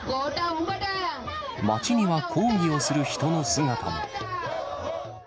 町には抗議をする人の姿も。